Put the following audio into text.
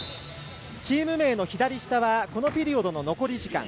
チーム名の左下はこのピリオドの残り時間。